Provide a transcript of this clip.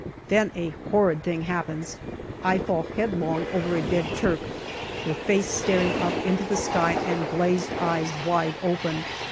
Then a horrid thing happens. I fall headlong over a dead Turk, with face staring up into the sky and glazed eyes wide open.